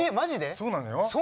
そうなのよ。